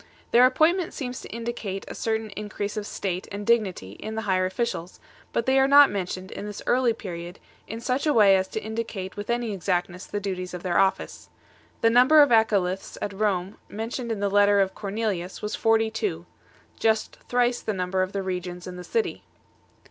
Their appointment seems to indicate a certain increase of state and dignity in the higher officials, but they are not mentioned, in this early period, in such a way as to indicate with any exactness the duties of their office. The number of acolyths at Rome mentioned in the letter of Cornelius was forty two just thrice the number of the regions in the city.